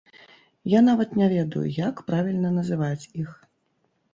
Я нават не ведаю, як правільна называць іх.